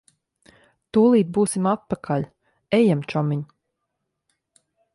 Tūlīt būsim atpakaļ. Ejam, čomiņ.